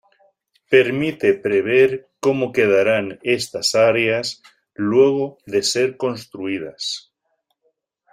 Permite prever cómo quedarán estas áreas luego de ser construidas.